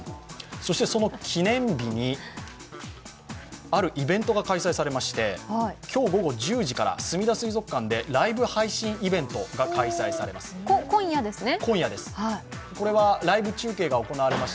そしてその記念日にあるイベントが開催されまして、今日午後１０時からすみだ水族館からライブ配信イベントが開催されます。